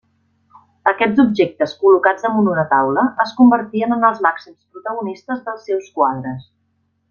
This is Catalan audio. Aquests objectes, col·locats damunt una taula, es convertien en els màxims protagonistes dels seus quadres.